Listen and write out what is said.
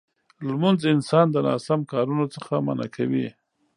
لمونځ انسان د ناسم کارونو څخه منع کوي.